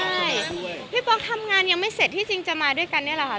ใช่พี่ป๊อกทำงานยังไม่เสร็จที่จริงจะมาด้วยกันนี่แหละค่ะ